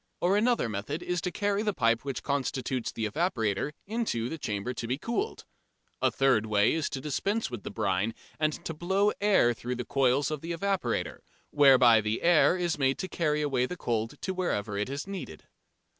Or another method is to carry the pipe which constitutes the evaporator into the chamber to be cooled. A third way is to dispense with brine and to blow air through the coils of the evaporator, whereby the air is made to carry away the cold to wherever it is needed.